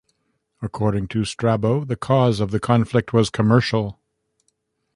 According to Strabo, the cause of the conflict was commercial.